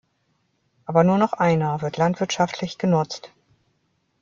Aber nur noch einer wird landwirtschaftlich genutzt.